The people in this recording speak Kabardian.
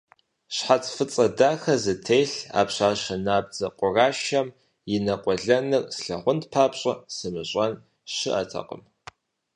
Щхьэц фӀыцӀэ дахэ зытелъ а пщащэ набдзэ къурашэм и нэкъуэлэныр слъагъун папщӀэ сымыщӀэн щыӀэтэкъым.